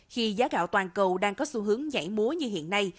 khi giá gạo toàn cầu đang có xu hướng nhảy múa như hiện nay